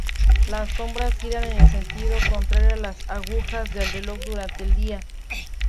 Las sombras giran en sentido contrario a las agujas del reloj durante el día.